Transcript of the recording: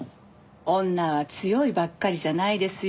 女は強いばっかりじゃないですよ。